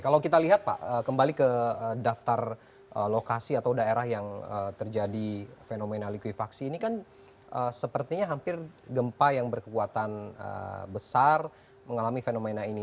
kalau kita lihat pak kembali ke daftar lokasi atau daerah yang terjadi fenomena likuifaksi ini kan sepertinya hampir gempa yang berkekuatan besar mengalami fenomena ini